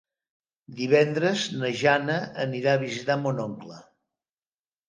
Divendres na Jana anirà a visitar mon oncle.